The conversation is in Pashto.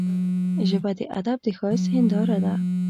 ژبه د ادب د ښايست هنداره ده